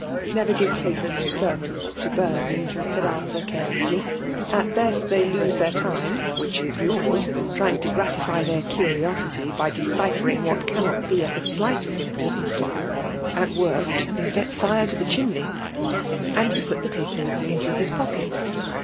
*' Never give papers to servants to burn/' said Arthur^ carelessly. " At best> they lose their time (which is yours) trying to gratify their curiosity by decyphcring what cannot be of the slightest importance to them ; at worst, they set fire to the chimney." And he put the papers into his pocket.